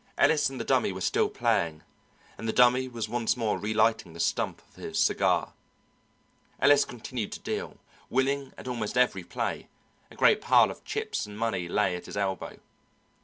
Ellis and the Dummy were still playing, and the Dummy was once more relighting the stump of his cigar. Ellis continued to deal, winning at almost every play; a great pile of chips and money lay at his elbow.